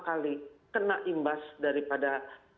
kali kena imbas daripada